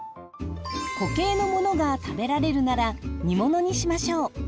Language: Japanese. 固形のものが食べられるなら煮物にしましょう。